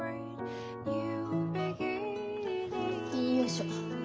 よいしょ。